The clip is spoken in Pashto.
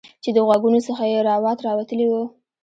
چې د غوږونو څخه یې روات راوتلي وو